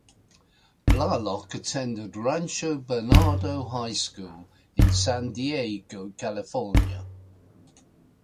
Blalock attended Rancho Bernardo High School in San Diego, California.